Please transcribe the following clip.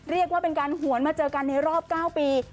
เรียกว่าเป็นการหวนมาเจอกันในรอบ๙ปี